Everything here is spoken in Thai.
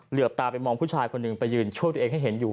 เหลือบตาไปมองผู้ชายคนหนึ่งไปยืนช่วยตัวเองให้เห็นอยู่